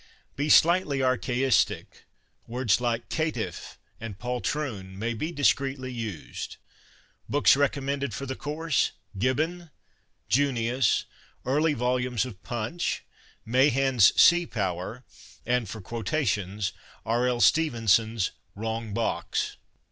Be slightly archaistic. Words like " caitiff " and " poltroon " may be discreetly used. Books recommended for the course : Gibbon, Junius, early volumes of Punch, Mahan's " Sea Power," and (for quotations) R. L. Stevenson's " Wrong Box."